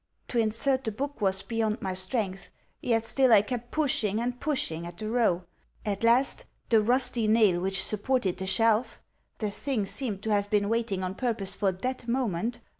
To insert the book was beyond my strength; yet still I kept pushing and pushing at the row. At last the rusty nail which supported the shelf (the thing seemed to have been waiting on purpose for that moment!)